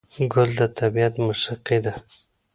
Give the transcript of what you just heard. ګل د طبیعت موسیقي ده.